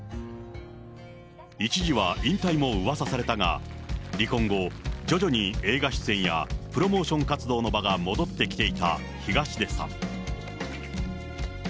一時は引退もうわさされたが、離婚後、徐々に映画出演やプロモーション活動の場が戻ってきていた東出さん。